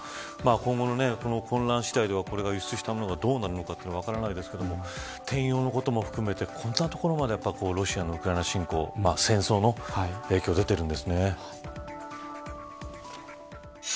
今後の混乱次第ではこれから輸出したものがどうなるのか分からないですけど転用のことも含めてこんなところまでロシアのウクライナ侵攻戦争の影響が出ているんですね。